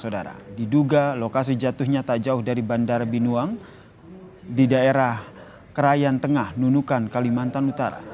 saudara diduga lokasi jatuhnya tak jauh dari bandara binuang di daerah kerayan tengah nunukan kalimantan utara